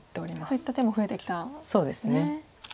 そういった手も増えてきたんですね。